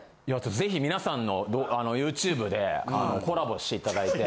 ぜひみなさんのＹｏｕＴｕｂｅでコラボしていただいて。